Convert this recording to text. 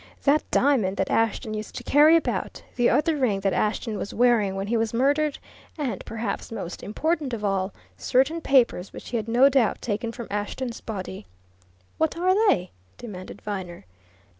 That diamond that Ashton used to carry about, the other ring that Ashton was wearing when he was murdered, and perhaps most important of all certain papers which he'd no doubt taken from Ashton's body." "What are they?" demanded Viner.